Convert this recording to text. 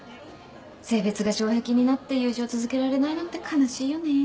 性別が障壁になって友情続けられないのって悲しいよね。